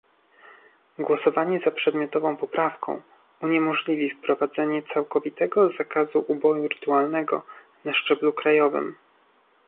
Głosowanie za przedmiotową poprawką uniemożliwi wprowadzenie całkowitego zakazu uboju rytualnego na szczeblu krajowym